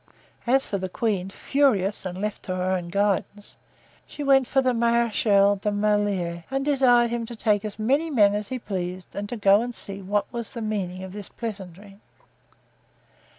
As for the queen, furious, and left to her own guidance, she went for the Marechal de la Meilleraie and desired him to take as many men as he pleased and to go and see what was the meaning of this pleasantry.